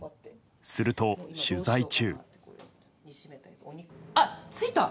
すると、取材中。